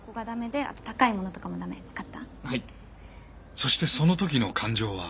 そしてその時の感情は。